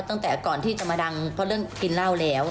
ตั้งแต่ก่อนที่จะมาดังเพราะเรื่องกินเหล้าแล้ว